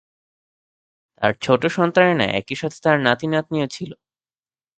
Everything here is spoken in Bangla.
তার ছোট সন্তানেরা একই সাথে তার নাতি-নাতনিও ছিল।